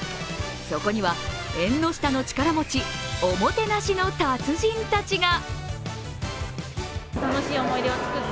そこには縁の下の力持ち、おもてなしの達人たちが。